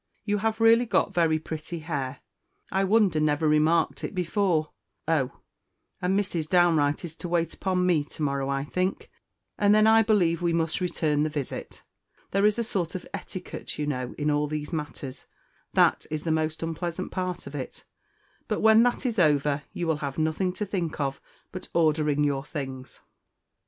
You have really got very pretty hair; I wonder never remarked it before. Oh! and Mrs. Downe Wright is to wait upon me to morrow, I think; and then I believe we must return the visit. There is a sort of etiquette, you know, in all these matters that is the most unpleasant part of it; but when that is over you will have nothing to think of but ordering your things."